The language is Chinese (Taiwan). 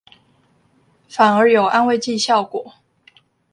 反而有安慰劑效果